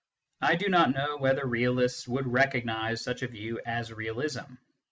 I do not know whether realists would recognise such a view as realism.